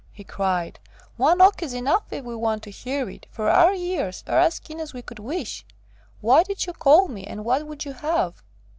he cried. "One knock is enough, if we want to hear it, for our ears are as keen as we could wish. Why did you call me, and what would you have?"